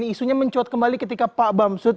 isunya mencuat kembali ketika pak bamsud